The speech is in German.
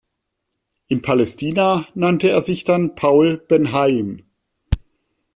In Palästina nannte er sich dann Paul Ben-Haim.